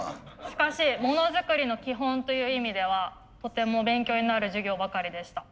しかしモノづくりの基本という意味ではとても勉強になる授業ばかりでした。